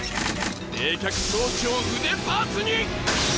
冷却装置を腕パーツに！